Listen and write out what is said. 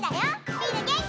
みんなげんき？